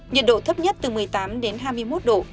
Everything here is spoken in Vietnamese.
nhiệt độ thấp nhất từ một mươi tám đến hai mươi một độ